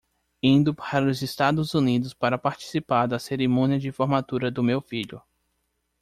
Indo para os Estados Unidos para participar da cerimônia de formatura do meu filho